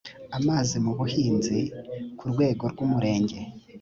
amazi mu buhinzi ku rwego rw umurenge